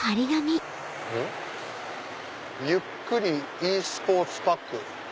「ゆっくりｅスポーツパック」。